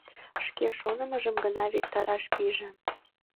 Шке шонымыжым гына виктараш пиже.